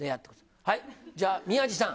じゃあ、宮治さん。